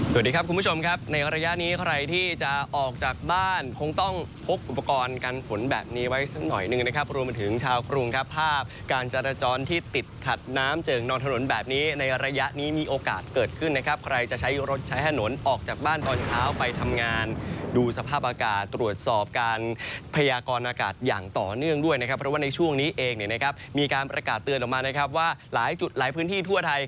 สวัสดีครับคุณผู้ชมครับในระยะนี้ใครที่จะออกจากบ้านคงต้องพกอุปกรณ์กันฝนแบบนี้ไว้สักหน่อยหนึ่งนะครับรวมถึงชาวกรุงครับภาพการจัดจรที่ติดขัดน้ำเจิ่งนอนถนนแบบนี้ในระยะนี้มีโอกาสเกิดขึ้นนะครับใครจะใช้รถใช้ถนนออกจากบ้านตอนเช้าไปทำงานดูสภาพอากาศตรวจสอบการพยากรณ์อากาศอย่างต่อ